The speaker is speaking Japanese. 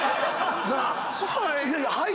はい。